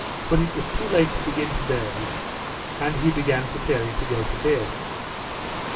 But it was too late to begin to day, and he began preparing to go to bed.